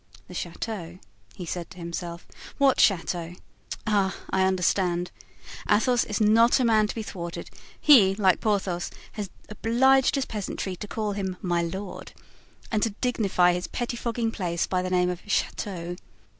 "The chateau!" he said to himself, "what chateau? Ah, I understand! Athos is not a man to be thwarted; he, like Porthos, has obliged his peasantry to call him 'my lord,' and to dignify his pettifogging place by the name of chateau.